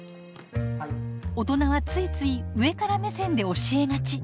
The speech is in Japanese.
大人はついつい上から目線で教えがち。